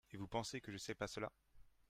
Et vous pensez que je ne sais pas cela ?